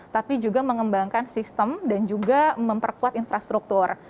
tapi juga mengembangkan sistem dan juga memperkuat infrastruktur